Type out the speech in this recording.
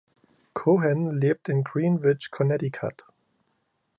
Cohen lebt in Greenwich, Connecticut.